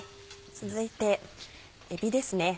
続いてえびですね。